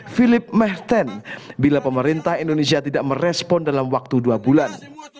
philip mehten bila pemerintah indonesia tidak merespon dalam waktu dua bulan